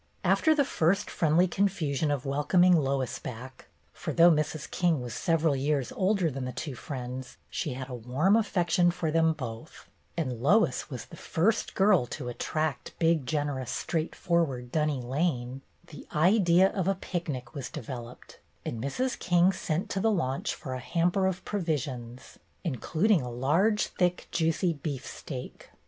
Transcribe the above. After the first friendly confusion of wel coming Lois back — for though Mrs. King was several years older than the two friends, she had a warm affection for them both ; and Lois was the first girl to attract big, generous, straightforward Dunny Lane — the idea of a picnic was developed, and Mrs. King sent to the launch for a hamper of provisions, including a large, thick, juicy beefsteak.